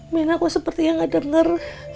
mina kok sepertinya gak denger